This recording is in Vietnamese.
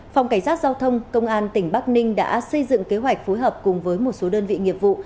phòng cảnh sát giao thông công an tỉnh bắc ninh đã xây dựng kế hoạch phối hợp cùng với một số đơn vị nghiệp vụ